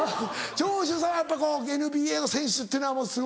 長州さんはやっぱこのＮＢＡの選手っていうのはすごい。